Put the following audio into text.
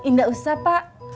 nggak usah pak